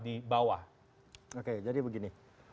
di bawah oke jadi begini